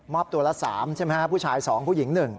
อบตัวละ๓ใช่ไหมครับผู้ชาย๒ผู้หญิง๑